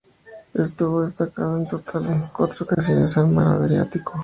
Estuvo destacada en total en cuatro ocasiones en el mar Adriático.